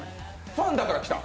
ファンだから来た？